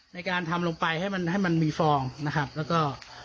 ในการทำลงไปให้มันให้มันมีฟองนะครับแล้วก็